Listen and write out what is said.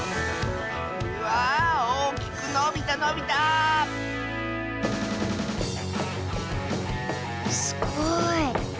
わあおおきくのびたのびたすごい。